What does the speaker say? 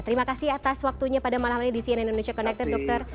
terima kasih atas waktunya pada malam ini di cnn indonesia connected dokter